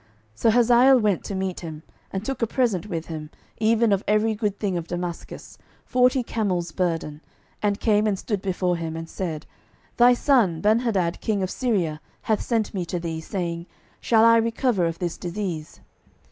12:008:009 So Hazael went to meet him, and took a present with him, even of every good thing of Damascus, forty camels' burden, and came and stood before him, and said, Thy son Benhadad king of Syria hath sent me to thee, saying, Shall I recover of this disease?